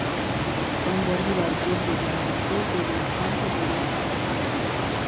Quando arriva al bordo di una rupe, vede il campo di aviazione.